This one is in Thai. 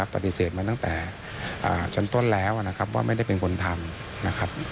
ปฏิเสธมาตั้งแต่จนต้นแล้วว่าไม่ได้เป็นคนทำ